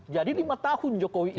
jadi lima tahun jokowi ini